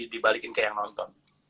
dibalikin ke yang nonton